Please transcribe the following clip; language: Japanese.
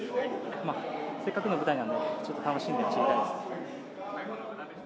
せっかくの舞台なので楽しんで走りたいですね。